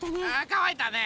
かわいたね。